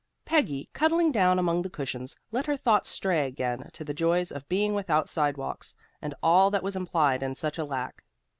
Peggy, cuddling down among the cushions, let her thoughts stray again to the joys of being without sidewalks, and all that was implied in such a lack.